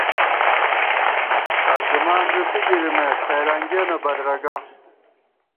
ترجمان ݫُپی گِرِمېت ، فېرنگیَنہ بدرَگہ